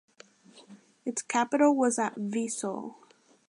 Its capital was at Vesoul.